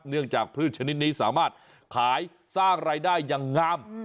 จากพืชชนิดนี้สามารถขายสร้างรายได้อย่างงาม